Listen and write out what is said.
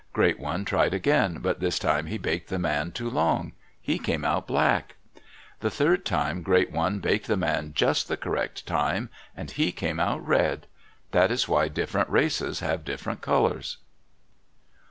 Great One tried again, but this time he baked the man too long. He came out black. The third time Great One baked the man just the correct time, and he came out red. That is why different races have different colors.